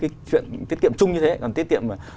cái chuyện tiết kiệm chung như thế còn tiết kiệm